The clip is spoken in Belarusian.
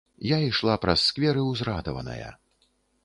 Я ішла праз скверы ўзрадаваная.